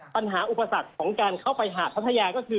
อุปสรรคของการเข้าไปหาดพัทยาก็คือ